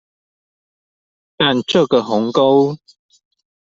但這個鴻溝